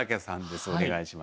お願いします。